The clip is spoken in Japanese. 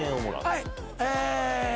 はい。